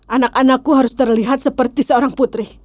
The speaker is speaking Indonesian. anak anakku harus terlihat seperti seorang putri